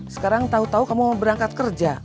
sekarang tau tau kamu mau berangkat kerja